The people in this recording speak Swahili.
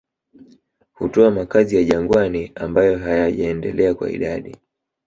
Hutoa makazi ya jangwani ambayo hayajaendelea kwa idadi